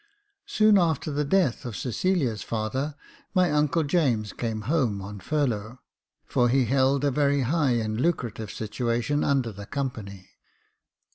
Soon after the death of Cecilia's father, my uncle James came home on furlough, for he held a very high and lucrative situation under the Company.